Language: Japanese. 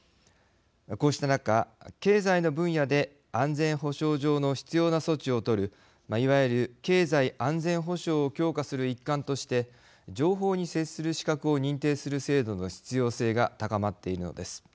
こうした中経済の分野で安全保障上の必要な措置を取るいわゆる経済安全保障を強化する一環として情報に接する資格を認定する制度の必要性が高まっているのです。